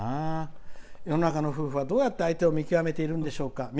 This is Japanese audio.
世の中の夫婦はどうやって相手を見極めているんでしょうか」。